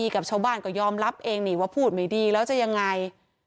กับชาวบ้านก็ยอมรับเองนี่ว่าพูดไม่ดีแล้วจะยังไง